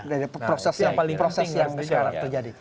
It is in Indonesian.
dari proses yang sekarang terjadi